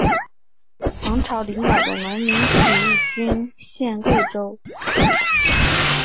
黄巢领导的农民起义军陷桂州。